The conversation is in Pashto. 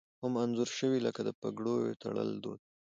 هم انځور شوي لکه د پګړیو تړل دود